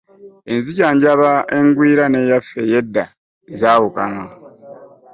Enzijanjaba engwira n'eyaffe ey'edda zaawukana.